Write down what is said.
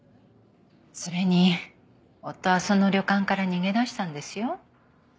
それに夫はその旅館から逃げ出したんですよ。